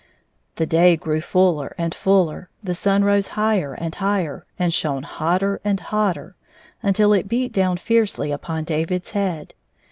The day grew fuller and fiiller, the sun rose higher and higher, and shone hotter and hotter until it beat down fiercely upon David's head.